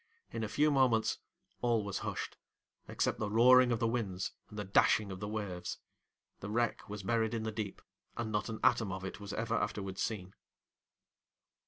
In a few moments all was hushed, except the roaring of the winds and the dashing of the waves; the wreck was buried in the deep, and not an atom of it was ever afterwards seen.